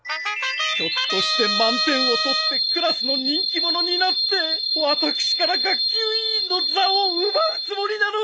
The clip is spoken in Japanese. ひょっとして満点を取ってクラスの人気者になって私から学級委員の座を奪うつもりなのでは！